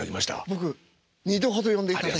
僕２度ほど呼んでいただいて。